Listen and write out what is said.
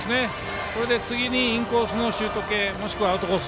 次にインコースのシュート系もしくはアウトコース